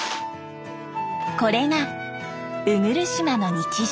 これが鵜来島の日常。